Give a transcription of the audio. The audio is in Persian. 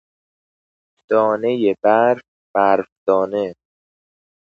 دانهی برف، برف دانه